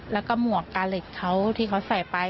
แล้วก็หมวกกาเหล็กเขาที่เขาใส่ไป